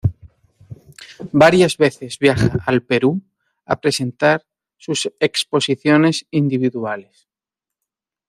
Varias veces viaja al Perú a presentar sus exposiciones individuales.